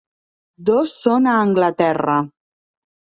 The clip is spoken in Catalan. Dos són a Anglaterra.